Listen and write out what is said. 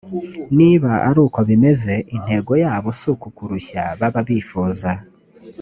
niba ari uko bimeze intego yabo si ukukurushya baba bifuza